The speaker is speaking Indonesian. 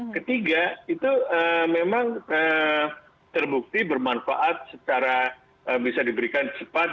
ketiga itu memang terbukti bermanfaat secara bisa diberikan cepat